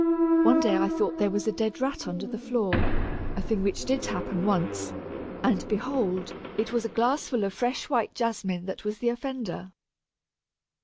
One day I thought there was a dead rat under the floor (a thing which did happen once), and behold, it was a glassful of fresh white Jasmine that was the offender!"